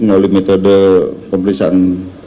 melalui metode pembelian